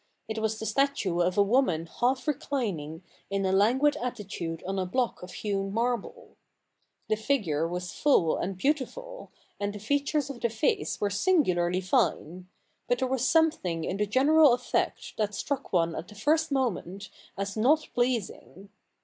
It was the statue of a woman half reclining in a languid attitude on a block of hewn marble. The figure was full and beautiful, and the features of the face were singularly fine : but there was something in the general effect that struck one at the first moment as not pleasing.